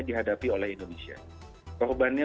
dihadapi oleh indonesia korbannya